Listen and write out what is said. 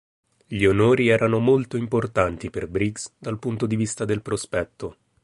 Gli onori erano molto importanti per Briggs dal punto di vista del prospetto.